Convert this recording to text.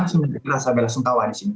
saya belasungkawa di sini